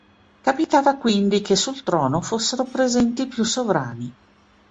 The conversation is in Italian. Capitava quindi che sul trono fossero presenti più sovrani.